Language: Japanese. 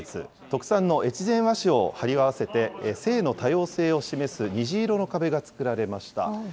特産の越前和紙を貼り合わせて、性の多様性を示す虹色の壁が作られました。